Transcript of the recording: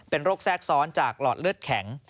เป็นโรคแทรกซ้อนจากหลอดเลือดแข็ง